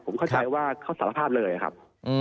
ผมเข้าใจว่าเขาสารภาพเลยครับ